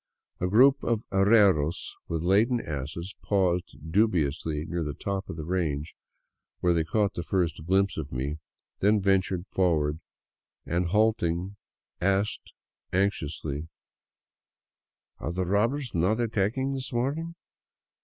A group of arrieros with laden asses paused dubiously near i the top of the range where they caught the first glimpse of me, then ventured forward and halted to ask anxiously : "Are the robbers not attacking this morning?"